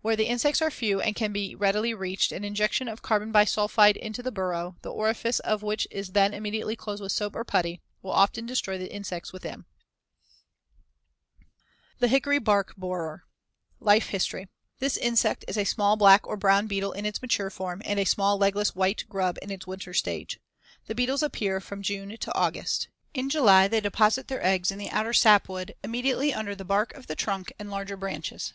Where the insects are few and can be readily reached, an injection of carbon bisulphide into the burrow, the orifice of which is then immediately closed with soap or putty, will often destroy the insects within. [Illustration: FIG. 107. Elm Tree Attacked by the Leopard Moth.] THE HICKORY BARK BORER Life history: This insect is a small brown or black beetle in its mature form and a small legless white grub in its winter stage. The beetles appear from June to August. In July they deposit their eggs in the outer sapwood, immediately under the bark of the trunk and larger branches.